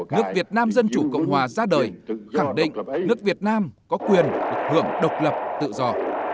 nước việt nam dân chủ cộng hòa ra đời khẳng định nước việt nam có quyền được hưởng độc lập tự do